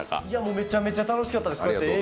めちゃめちゃ楽しかったです、Ａぇ！